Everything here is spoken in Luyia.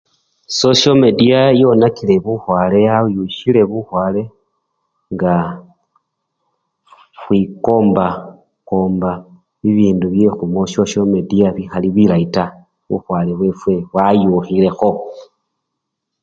Sosyo mediya yonakile bukhwale yayusyile bukhwale nga khwikomba bibindu bya sosyo mediya bikhali bilayi taa bukhwale bwefwe bwayukhilekho.